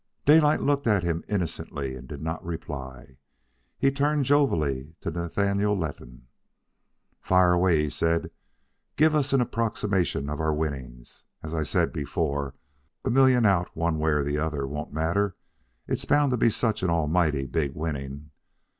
Daylight looked at him innocently and did not reply. He turned jovially to Nathaniel Letton. "Fire away," he said. "Give us an approximation of our winning. As I said before, a million out one way or the other won't matter, it's bound to be such an almighty big winning."